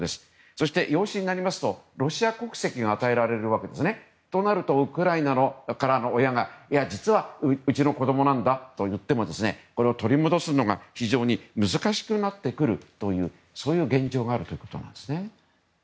そして、養子になりますとロシア国籍が与えられますのでそうなるとウクライナの親が実は、うちの子供だと言ってもこれを取り戻すのが非常に難しくなってくるというそういう現状があるそうです。